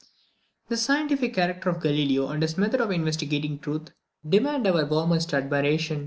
The scientific character of Galileo, and his method of investigating truth, demand our warmest admiration.